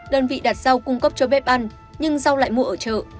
đơn vị đặt rau cung cấp cho bếp ăn nhưng rau lại mua ở chợ